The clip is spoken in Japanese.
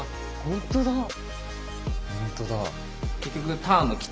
本当だ。